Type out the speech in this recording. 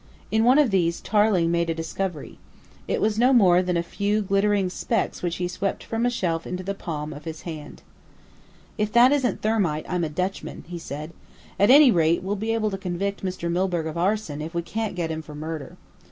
In one of these Tarling made a discovery. It was no more than a few glittering specks which he swept from a shelf into the palm of his hand. "If that isn't thermite, I'm a Dutchman," he said. "At any rate, we'll be able to convict Mr. Milburgh of arson if we can't get him for murder.